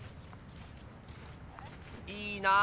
いいなあ！